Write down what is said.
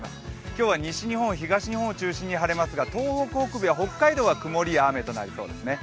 今日は西日本、東日本を中心に晴れますが東北北部や北海道は曇りや雨となりそうです。